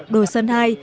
đồ sơn ii